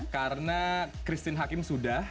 karena christine hakim sudah